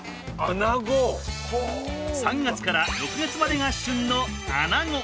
３月から６月までが旬のアナゴ。